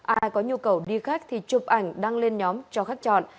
ai có nhu cầu đi khách thì chụp ảnh đăng lên nhóm cho khách chọn